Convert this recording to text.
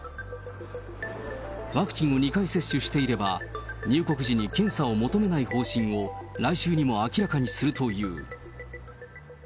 ワクチンを２回接種していれば、入国時に検査を求めない方針を来週にも明らかにするという。